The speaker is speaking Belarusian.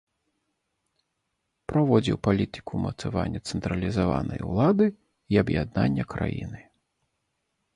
Праводзіў палітыку ўмацавання цэнтралізаванай улады і аб'яднання краіны.